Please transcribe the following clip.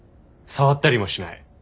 触ったりもしない。